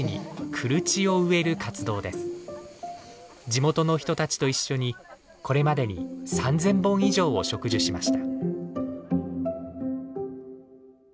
地元の人たちと一緒にこれまでに３，０００本以上を植樹しました。